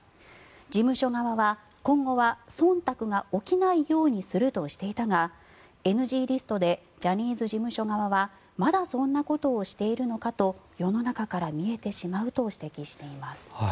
事務所側は今後はそんたくが起きないようにするとしていたがＮＧリストでジャニーズ事務所側はまだそんなことをしているのかと世の中から見えてしまうと指摘しています。